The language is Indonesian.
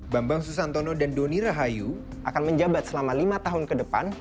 bambang susantono dan doni rahayu akan menjabat selama lima tahun ke depan